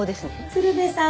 鶴瓶さん。